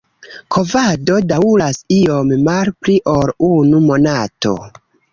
Kovado daŭras iom malpli ol unu monato.